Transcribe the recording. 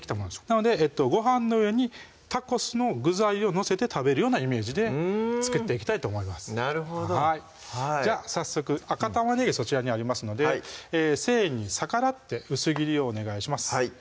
なのでご飯の上にタコスの具材を載せて食べるようなイメージで作っていきたいと思いますなるほどはいじゃあ早速赤玉ねぎそちらにありますので繊維に逆らって薄切りをお願いします